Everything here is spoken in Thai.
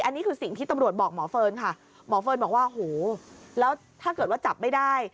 อันนี้คือสิ่งที่ตำรวจบอกหมอเฟิร์นค่ะหมอเฟิร์นบอกว่าโหแล้วถ้าเกิดว่าจับไม่ได้